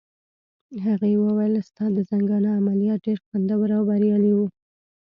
هغې وویل: ستا د زنګانه عملیات ډېر خوندور او بریالي وو.